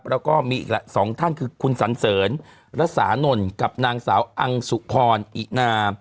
แล้วก็มีอีกสองท่านคือคุณสันเสริญระสานนท์กับนางสาวอังสุพรอินา